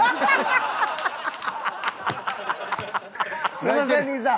すんません兄さん。